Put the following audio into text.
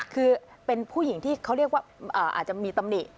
คือเป็นผู้หญิงที่เขาเรียกว่าอาจจะมีตำหนิ